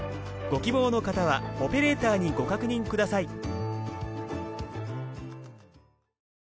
ご希望の方はオペレーターにご確認ください。